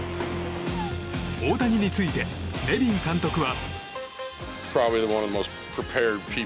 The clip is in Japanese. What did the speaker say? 大谷についてネビン監督は。